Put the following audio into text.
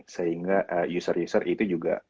sehingga user user itu juga